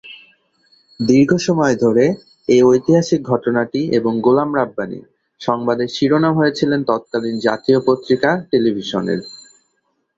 দীর্ঘসময় ধরে এ ‘ঐতিহাসিক ঘটনাটি এবং গোলাম রাব্বানী’ সংবাদের শিরোনাম হয়েছিলেন তৎকালীন জাতীয় পত্রিকা-টেলিভিশনের।